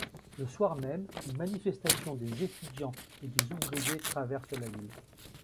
Le soir même, une manifestation de étudiants et ouvriers traverse la ville.